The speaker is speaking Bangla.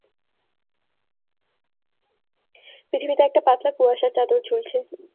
পৃথিবীতে একটা পাতলা কুয়াশার চাদর ঝুলছে।